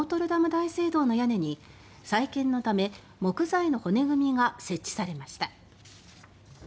大聖堂の屋根に再建のため木材の骨組みが設置されました。